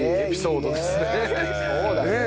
そうだね。